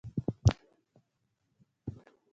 د برخوردار لفظ نه دا اندازه پۀ اسانه لګي